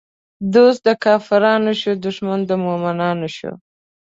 دوست د کافرانو شو، دښمن د مومنانو شو